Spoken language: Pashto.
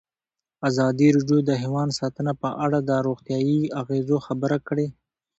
ازادي راډیو د حیوان ساتنه په اړه د روغتیایي اغېزو خبره کړې.